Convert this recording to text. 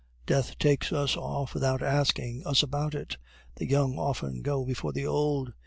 "Death takes us off without asking us about it. The young often go before the old.